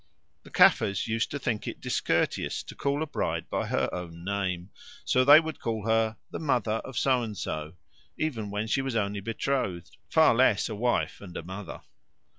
The Caffres used to think it discourteous to call a bride by her own name, so they would call her "the Mother of So and so," even when she was only betrothed, far less a wife and a mother.